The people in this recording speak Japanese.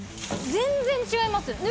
全然違います。